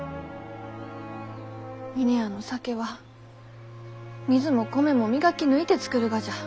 峰屋の酒は水も米も磨き抜いて造るがじゃ。